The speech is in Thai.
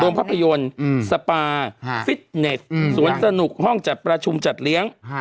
ภาพยนตร์สปาฟิตเน็ตสวนสนุกห้องจัดประชุมจัดเลี้ยง